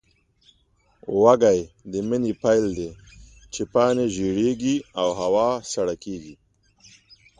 وږی د مني پیل دی، چې پاڼې ژېړې کېږي او هوا سړه کېږي.